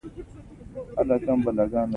د سارا پزه بادخورې خوړلې ده.